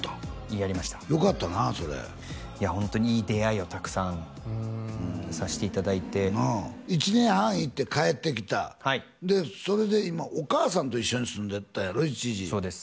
やりましたよかったなそれホントにいい出会いをたくさんさしていただいて１年半行って帰ってきたでそれで今お母さんと一緒に住んでたんやろ一時そうです